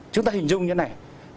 chúng ta hình dung như thế này